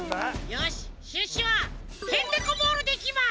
よしシュッシュはヘンテコボールでいきます！